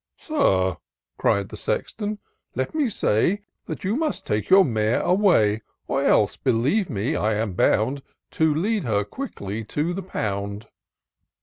" Sir," cried the Sexton, '* let me say That you must take your mare away ; Or else, believe me, I am bound To lead her quickly to the pound."